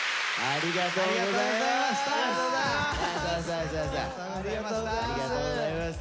ありがとうございます。